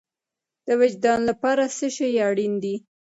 د وجدان لپاره څه شی اړین دی؟